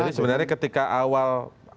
jadi sebenarnya ketika awal